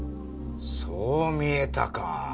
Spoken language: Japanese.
そう見えたか。